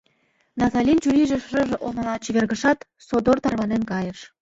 — Наталин чурийже шыже олмала чевергышат, содор тарванен кайыш.